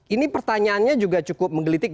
ini pertanyaannya juga cukup menggelitik